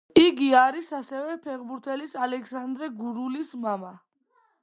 იგი არის ასევე ფეხბურთელის, ალექსანდრე გურულის მამა.